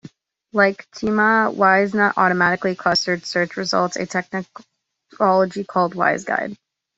Like Teoma, WiseNut automatically clustered search results, a technology called "WiseGuide".